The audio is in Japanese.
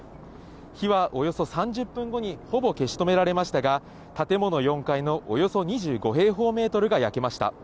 火はおよそ３０分後にほぼ消し止められましたが、建物４階のおよそ２５平方メートルが焼けました。